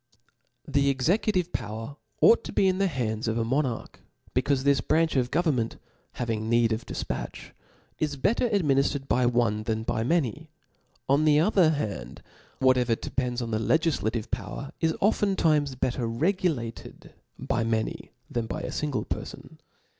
Tht executive power ought to be in the hands of a monarch, becaufe this branch of government, having need of difpatch, is better adminiftered by one than by many ; on the other hand, what evier depends on the legiflative power, is often times better regulated by many than by a fmgle perfon.